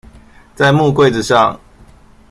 在木櫃子上